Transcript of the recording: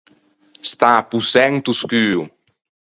Stan appossæ into scuo.